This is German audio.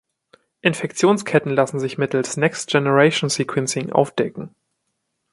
Infektionsketten lassen sich mittels Next Generation Sequencing aufdecken.